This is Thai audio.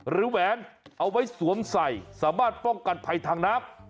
แหวนเอาไว้สวมใส่สามารถป้องกันภัยทางน้ำ